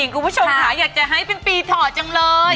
คุณผู้ชมค่ะอยากจะให้เป็นปีถอดจังเลย